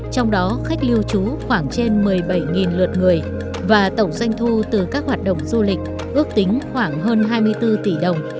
trong đó khách lưu trú khoảng trên một mươi bảy lượt người và tổng doanh thu từ các hoạt động du lịch ước tính khoảng hơn hai mươi bốn tỷ đồng